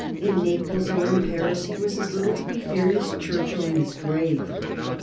In Naples or in Paris he was as little to be feared as Churchill in his grave.